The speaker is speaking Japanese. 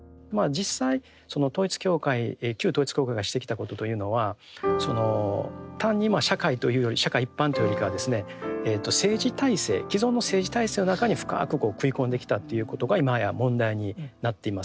実際その統一教会旧統一教会がしてきたことというのはその単にまあ社会というより社会一般というよりかはですね政治体制既存の政治体制の中に深くこう食い込んできたっていうことが今や問題になっています。